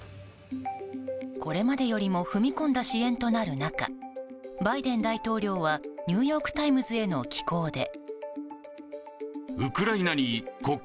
これまでよりも踏み込んだ支援となる中バイデン大統領はニューヨーク・タイムズへの寄稿で。